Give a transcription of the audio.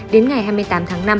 đến ngày hai mươi tám tháng năm